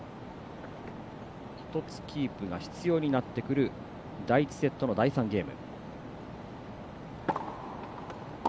１つキープが必要になってくる第１セットの第３ゲーム。